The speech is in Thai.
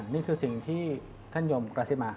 นี่คือสิ่งที่ท่านยมกระซิบมา